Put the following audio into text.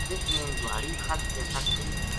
رچھ نے گُہاڑی خس کے سَٹ چھُڑی